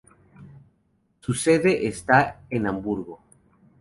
Su sede está en Hamburgo.